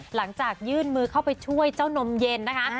หลังจากยื่นมือเข้าไปช่วยเจ้านมเย็นนะคะ